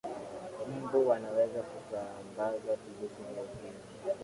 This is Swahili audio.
mbu wanaweza kusambaza virusi vya ukimwi